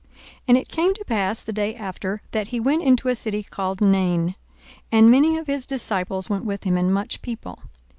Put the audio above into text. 42:007:011 And it came to pass the day after, that he went into a city called Nain; and many of his disciples went with him, and much people.